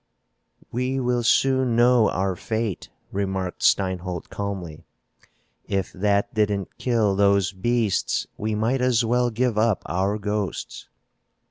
"We will soon know our fate," remarked Steinholt calmly. "If that didn't kill those beasts we might as well give up our ghosts."